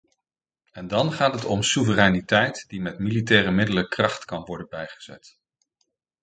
En dan gaat het om soevereiniteit die met militaire middelen kracht kan worden bijgezet.